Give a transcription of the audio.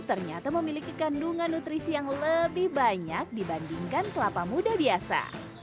ternyata memiliki kandungan nutrisi yang lebih banyak dibandingkan kelapa muda biasa